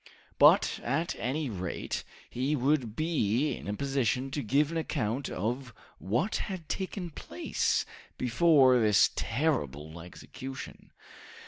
But at any rate he would be in a position to give an account of what had taken place before this terrible execution.